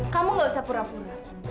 kamu gak usah pura pura